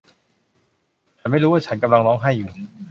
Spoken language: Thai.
ฉันไม่รู้ว่าฉันกำลังร้องไห้อยู่